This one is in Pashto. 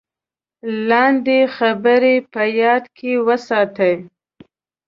لاندې خبرې په یاد کې وساتئ: